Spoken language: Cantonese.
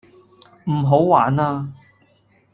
唔好玩啦